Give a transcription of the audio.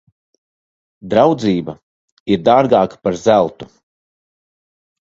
Draudzība ir dārgāka par zeltu.